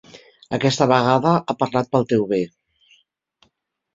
Aquesta vegada ha parlat pel teu bé.